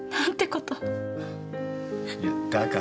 いやだから。